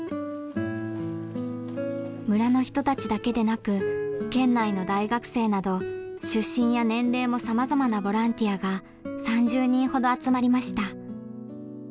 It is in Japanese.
村の人たちだけでなく県内の大学生など出身や年齢もさまざまなボランティアが３０人ほど集まりました。